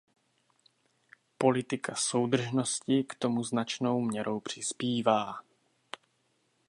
Politika soudržnosti k tomu značnou měrou přispívá.